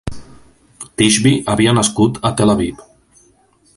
Tishby havia nascut a Tel Aviv.